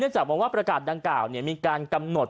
จากบอกว่าประกาศดังกล่าวมีการกำหนด